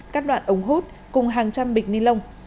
các đoạn ống hút cùng hàng trăm bịch ni lông